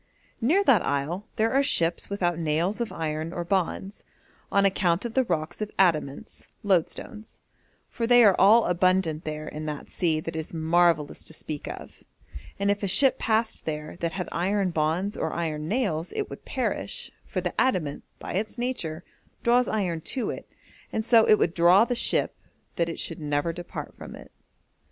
'Near that isle there are ships without nails of iron or bonds, on account of the rocks of adamants (loadstones), for they are all abundant there in that sea that it is marvellous to speak of, and if a ship passed there that had iron bonds or iron nails it would perish, for the adamant, by its nature, draws iron to it, and so it would draw the ship that it should never depart from it.'